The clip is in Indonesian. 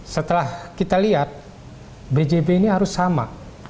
setelah kita lihat bjb ini harus sama